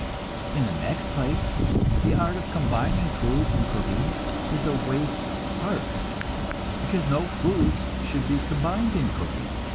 In the next place, the art of combining foods in cooking is a waste art, because no foods should be combined in cooking.